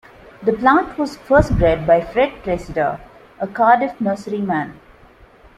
The plant was first bred by Fred Treseder, a Cardiff nurseryman.